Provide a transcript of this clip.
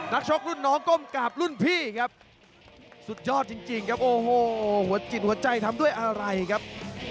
นักช็อกรุ่นน้องก้มกราบรุ่นพี่ครับ